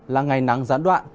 là ngày nắng giãn đoạn